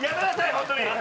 本当に。